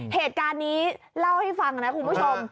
เหตุการณ์นี้เล่าให้ฟังนะคุณผู้ชม